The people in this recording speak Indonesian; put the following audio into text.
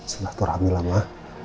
setelah terhamil lah mah